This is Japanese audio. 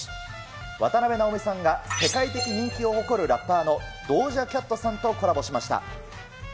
渡辺直美さんが世界的人気を誇るラッパーのドージャ・キャットさんとコラボしました。